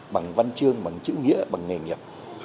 bằng văn chương bằng chữ nghĩa bằng nghề nghiệp